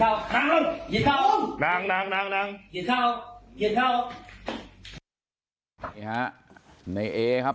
อย่าเข้าอย่าเข้า